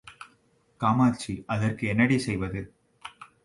காமாட்சி அதற்கு என்னடி செய்வது?